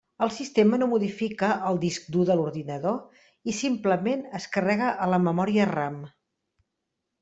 El sistema no modifica al disc dur de l'ordinador i simplement es carrega a la memòria RAM.